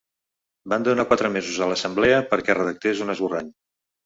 Van donar quatre mesos a l’assemblea perquè redactés un esborrany.